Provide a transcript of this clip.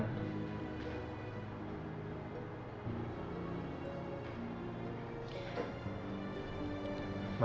terima kasih kak